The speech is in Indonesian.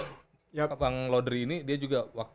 pak bang laudri ini dia juga